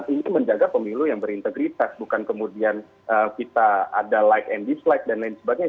ini menjaga pemilu yang berintegritas bukan kemudian kita ada like and dislike dan lain sebagainya